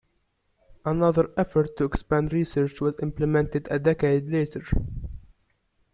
Another effort to expand research was implemented a decade later.